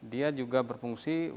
dia juga berfungsi untuk